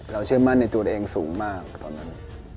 เชื่อมั่นในตัวเองสูงมากตอนนั้น